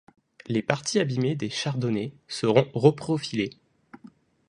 Les parties abîmées des chardonnets seront reprofilées.